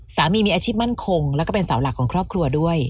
สามีมีอาชีพมั่นคงแล้วก็เป็นเสาหลักของครอบครัวด้วย